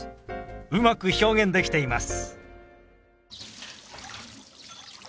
うまく表現できています。